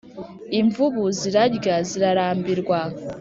Imvubu zirarya zirarambirwa